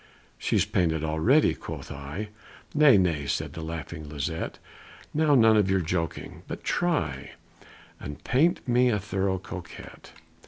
"She's painted already," quoth I; "Nay, nay!" said the laughing Lisette, "Now none of your joking but try And paint me a thorough Coquette."